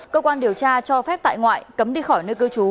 cơ quan điều tra cho phép tại ngoại cấm đi khỏi nơi cư trú